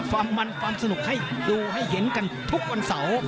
ความมันความสนุกให้ดูให้เห็นกันทุกวันเสาร์